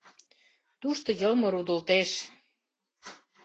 Тушто йылме рудылтеш.